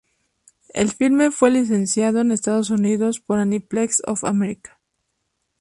El filme fue licenciado en Estados Unidos por Aniplex of America.